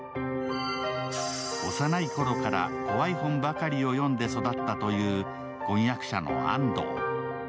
幼い頃から怖い本ばかりを読んで育ったという婚約者の安藤。